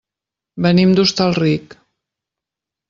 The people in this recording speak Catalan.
Venim de Hostalric.